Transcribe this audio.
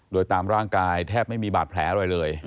โดยตามร่างกายแทบไม่มีบาดแผลอะไรเลย